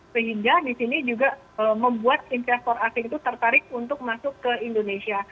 sehingga di sini juga membuat investor asing itu tertarik untuk masuk ke indonesia